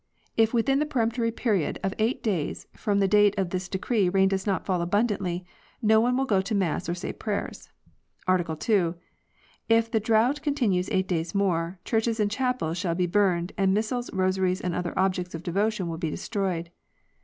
If within the peremptory period of eight days from the '* Op. cit., vol. ii, p. 524. The Prayer Method reversed. 43 date of this decree rain does not fall abundantly, no one will go to mass or say prayers. : 'Article 2. If the drougth continues eight days more, the churches and chapels shall be burned, and missals, rosaries, and other objects of deyo tion will be destroyed.